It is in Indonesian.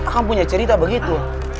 kan punya cerita begitu